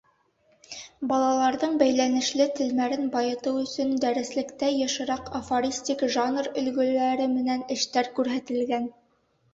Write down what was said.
Балаларҙың бәйләнешле телмәрен байытыу өсөн, дәреслектә йышыраҡ афористик жанр өлгөләре менән эштәр күрһәтелгән.